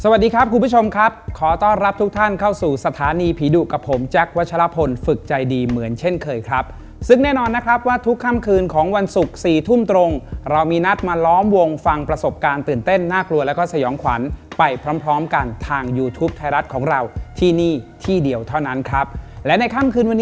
สวัสดีครับคุณผู้ชมครับขอต้อนรับทุกท่านเข้าสู่สถานีผีดุกับผมแจ๊ควัชลพลฝึกใจดีเหมือนเช่นเคยครับซึ่งแน่นอนนะครับว่าทุกค่ำคืนของวันศุกร์สี่ทุ่มตรงเรามีนัดมาล้อมวงฟังประสบการณ์ตื่นเต้นน่ากลัวแล้วก็สยองขวัญไปพร้อมพร้อมกันทางยูทูปไทยรัฐของเราที่นี่ที่เดียวเท่านั้นครับและในค่ำคืนวันนี้